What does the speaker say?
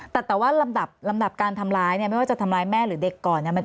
แต่ว่าลำดับการทำร้ายเนี่ยไม่ว่าจะทำร้ายแม่หรือเด็กก่อนเนี่ย